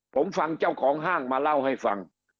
ผมฟังเจ้าของห้างมาเล่าให้ฟัง